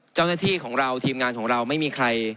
เจ้าหน้าที่ของเราทีมงานของเราไม่มีใคร